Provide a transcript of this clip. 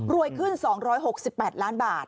ขึ้น๒๖๘ล้านบาท